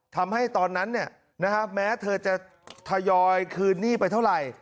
ทำให้ตอนนั้นเนี่ยนะครับแม้เธอจะทยอยคืนนี้ไปเท่าไหร่